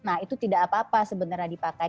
nah itu tidak apa apa sebenarnya dipakai